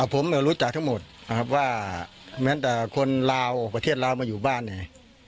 ผมรู้จักทั้งหมดนะครับว่าแม้แต่คนลาวประเทศลาวมาอยู่บ้านเนี่ย